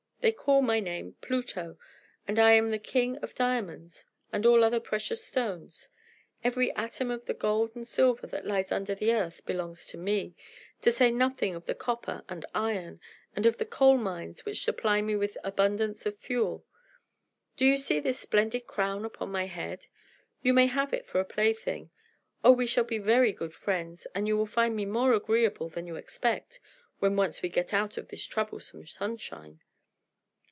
They call my name Pluto, and I am the king of diamonds and all other precious stones. Every atom of the gold and silver that lies under the earth belongs to me, to say nothing of the copper and iron, and of the coal mines, which supply me with abundance of fuel. Do you see this splendid crown upon my head? You may have it for a plaything. Oh, we shall be very good friends, and you will find me more agreeable than you expect, when once we get out of this troublesome sunshine."